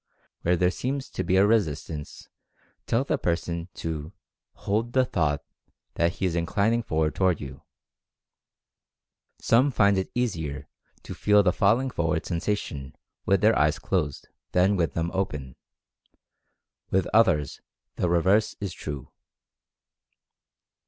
Where there seems to be a Experimental Fascination 101 resistance, tell the person to "hold the thought" that he is inclining forward toward you. Some find it easier to feel the "falling forward sensation" with their eyes closed, than with them open. With others the reverse is true.